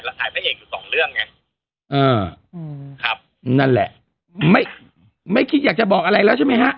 ถ่ายพระเอกอยู่สองเรื่องไงอ่าอืมครับนั่นแหละไม่ไม่คิดอยากจะบอกอะไรแล้วใช่ไหมฮะ